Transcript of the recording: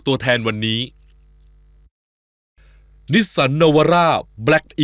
ถ้าคนเขาจะรักเขาก็รักค่ะ